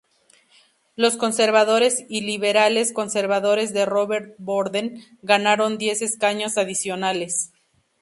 Los conservadores y liberales-conservadores de Robert Borden ganaron diez escaños adicionales.